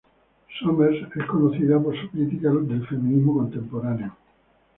Sommers es conocida por su crítica del feminismo contemporáneo.